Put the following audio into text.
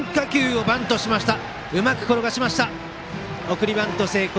送りバント成功。